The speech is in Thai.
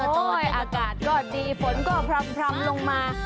โอ้โห้ยอากาศก็ดีฝนก็พร่ำลงมา